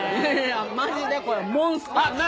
マジでこれモンスターだよ。